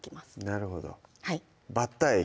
なるほどバッター液？